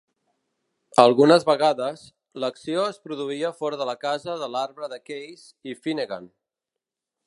Algunes vegades, l"acció es produïa fora de la casa de l"arbre de Casey i Finnegan.